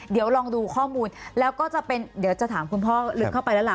เดี๋ยวลองดูข้อมูลแล้วก็จะเป็นเดี๋ยวจะถามคุณพ่อลึกเข้าไปแล้วล่ะ